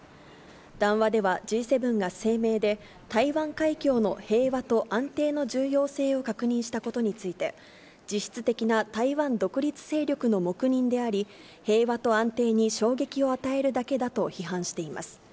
談話では、Ｇ７が声明で、台湾海峡の平和と安定の重要性を確認したことについて、実質的な台湾独立勢力の黙認であり、平和と安定に衝撃を与えるだけだと批判しています。